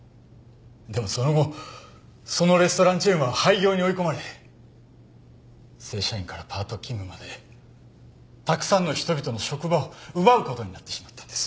でもその後そのレストランチェーンは廃業に追い込まれ正社員からパート勤務までたくさんの人々の職場を奪う事になってしまったんです。